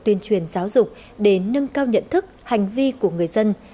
tuyên truyền giáo dục để nâng cao nhận thức hành vi của người dân